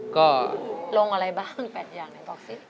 ก็ลงอะไรบ้าง๘อย่างไหนบอกสิ